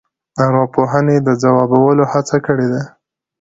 ارواپوهنې د ځوابولو هڅه کړې ده.